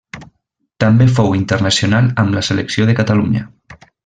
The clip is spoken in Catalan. També fou internacional amb la selecció de Catalunya.